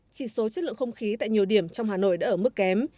chỉ số chất lượng không khí tại nhiều điểm trong hà nội đã ở mức kém